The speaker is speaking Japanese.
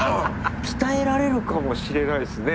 鍛えられるかもしれないですね。